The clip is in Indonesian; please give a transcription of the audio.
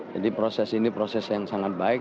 jadi proses ini proses yang sangat baik